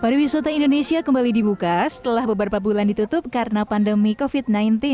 pariwisata indonesia kembali dibuka setelah beberapa bulan ditutup karena pandemi covid sembilan belas